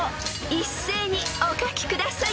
［一斉にお書きください］